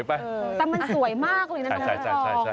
แต่มันสวยมากเลยนะท่อง